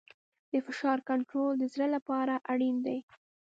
د فشار کنټرول د زړه لپاره اړین دی.